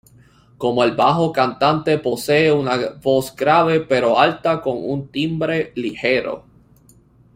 Como el bajo cantante posee una voz grave, pero alta, con un timbre ligero.